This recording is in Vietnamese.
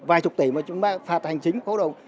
vài chục tỷ mà chúng ta phạt hành chính khấu đồng